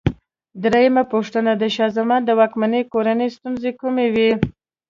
درېمه پوښتنه: د شاه زمان د واکمنۍ کورنۍ ستونزې کومې وې؟